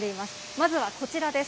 まずはこちらです。